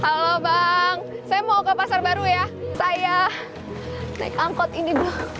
halo bang saya mau ke pasar baru ya saya naik angkot ini